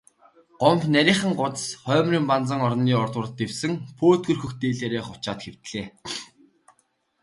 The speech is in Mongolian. Гомбо нарийхан гудас хоймрын банзан орны урдуур дэвсэн пөөдгөр хөх дээлээрээ хучаад хэвтлээ.